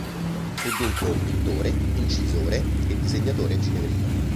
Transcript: Fu dunque un pittore, incisore e disegnatore ginevrino.